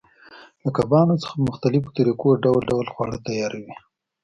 له کبانو څخه په مختلفو طریقو ډول ډول خواړه تیاروي.